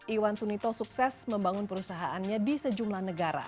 iwan sunito sukses membangun perusahaannya di sejumlah negara